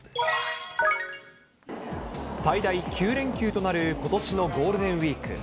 最大９連休となる、ことしのゴールデンウィーク。